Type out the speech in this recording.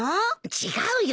違うよ。